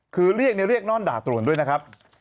คือเรียกเนี่ยเรียกน่อนด่าตรวจด้วยนะครับ